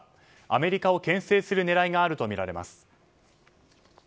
アメリカを牽制する狙いがあるとみられます。